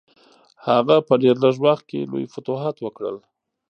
هغه په ډېر لږ وخت کې لوی فتوحات وکړل.